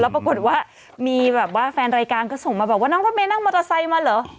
ปรากฏว่ามีแบบว่าแฟนรายการก็ส่งมาบอกว่าน้องรถเมย์นั่งมอเตอร์ไซค์มาเหรอ